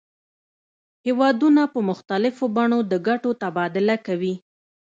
هیوادونه په مختلفو بڼو د ګټو تبادله کوي